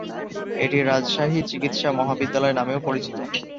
এটি রাজশাহী চিকিৎসা মহাবিদ্যালয় নামেও পরিচিত।